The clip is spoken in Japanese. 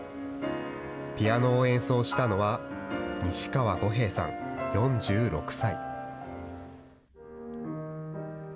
ピアノを演奏したのは、西川悟平さん４６歳。